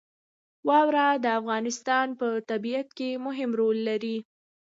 واوره د افغانستان په طبیعت کې مهم رول لري.